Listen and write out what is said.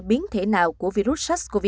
biến thể nào của virus sars cov hai